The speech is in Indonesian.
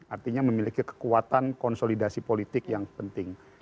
artinya memiliki kekuatan konsolidasi politik yang penting